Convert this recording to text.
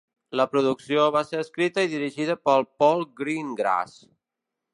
La producció va ser escrita i dirigida per Paul Greengrass.